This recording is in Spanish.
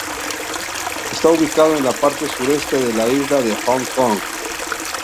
Está ubicado en la parte sureste de la isla de Hong Kong.